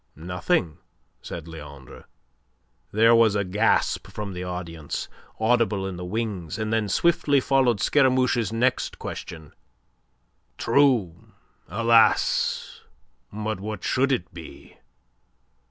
"Nothing," said Leandre. There was a gasp from the audience, audible in the wings, and then swiftly followed Scaramouche's next question: "True. Alas! But what should it be?"